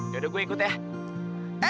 yaudah gue ikut ya